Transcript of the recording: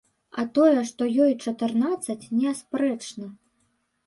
А тое, што ёй чатырнаццаць, неаспрэчна.